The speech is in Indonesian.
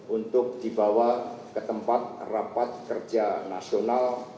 untuk dibawa ke tempat rapat kerja nasional